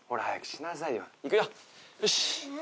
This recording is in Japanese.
よし。